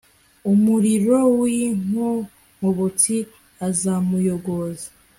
umuriro w'inkonkobotsi uzamuyogoza